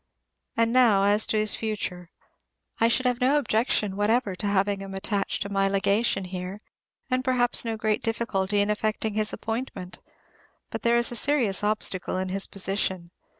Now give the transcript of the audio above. And now as to his future. I should have no objection whatever to having him attached to my Legation here, and perhaps no great difficulty in effecting his appointment; but there is a serious obstacle in his position.